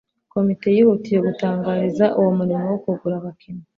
komite yihutiye gutangiraza uwo murimo wo kugura abakinnyi